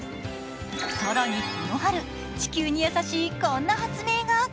更にこの春、地球に優しいこんな発明が。